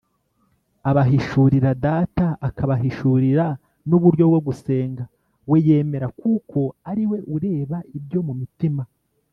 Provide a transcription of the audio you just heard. . Abahishurira Data, akabahishurira n’uburyo bwo gusenga We yemera, kuko ari We ureba ibyo mu mitima.